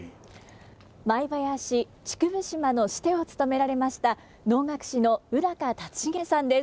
舞囃子「竹生島」のシテを務められました能楽師の宇竜成さんです。